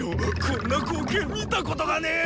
こんな光景見たことがねぇ。